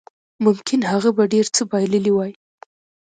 ممکن هغه به ډېر څه بایللي وای